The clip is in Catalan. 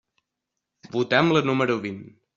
Votem la número vint.